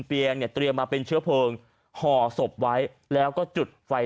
เตียงเนี่ยเตรียมมาเป็นเชื้อเพลิงห่อศพไว้แล้วก็จุดไฟ